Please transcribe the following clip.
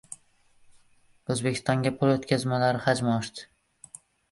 O‘zbekistonga pul o‘tkazmalari hajmi oshdi